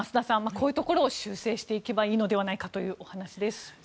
こうしたところを修正していけばいいのかというお話です。